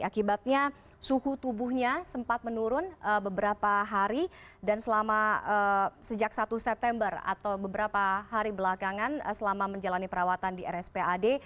akibatnya suhu tubuhnya sempat menurun beberapa hari dan selama sejak satu september atau beberapa hari belakangan selama menjalani perawatan di rspad